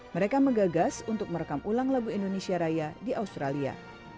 mereka menggagas untuk merekam ulang lagu indonesia raya di australia